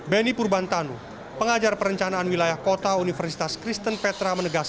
beni purbantanu pengajar perencanaan wilayah kota universitas kristen petra